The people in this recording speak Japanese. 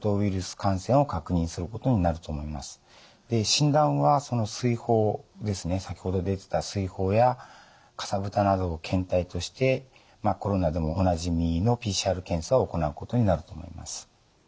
診断は水疱ですね先ほど出てた水疱やかさぶたなどを検体としてコロナでもおなじみのＰＣＲ検査を行うことになると思います。